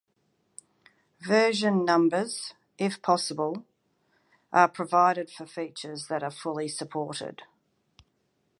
Version numbers, if possible, are provided for features that are fully supported.